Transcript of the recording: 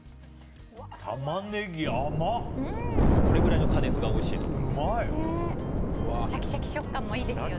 これくらいの加熱がおいしいと思います。